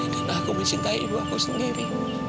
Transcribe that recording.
dan aku mencintai ibu aku sendiri